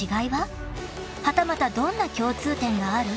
［はたまたどんな共通点がある？］